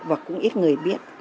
và cũng ít người biết